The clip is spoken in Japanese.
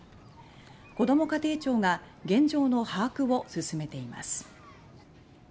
こども家庭庁が現状の把握を進めています。